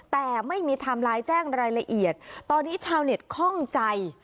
แต่ไม่มีไทม์ไลน์แจ้งรายละเอียดตอนนี้ชาวเน็ตคล่องใจ